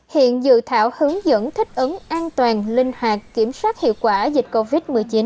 hiện dự thảo hướng dẫn thích ứng an toàn linh hoạt kiểm soát hiệu quả dịch covid một mươi chín